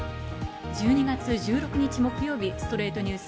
１２月１６日、木曜日『ストレイトニュース』。